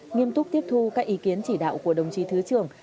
nghiêm túc tiếp thu các ý kiến chỉ đạo của đồng chí thứ trưởng